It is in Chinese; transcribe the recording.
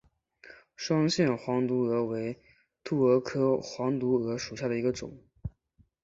双线黄毒蛾为毒蛾科黄毒蛾属下的一个种。